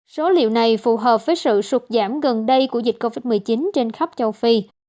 số liệu này phù hợp với sự sụt giảm gần đây của dịch covid một mươi chín trên khắp châu phi